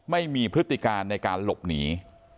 ไม่มีพฤติการในการหลบหนี